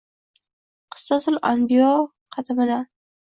“qisasul anbiyo” xatmidan